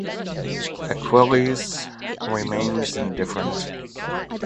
Aquiles remains indifferent.